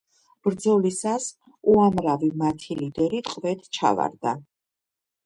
ბრძოლისას უამრავი მათი ლიდერი ტყვედ ჩავარდა.